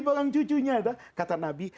orang cucunya kata nabi